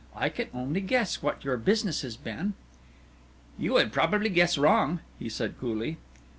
I can only guess what your business has been." "You would probably guess wrong," he said coolly.